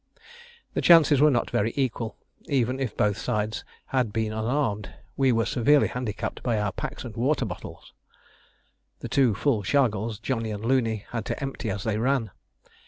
The chances were not very equal: even if both sides had been unarmed, we were severely handicapped by our packs and water bottles. The two full chargals Johnny and Looney had to empty as they ran.